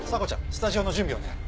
スタジオの準備お願い。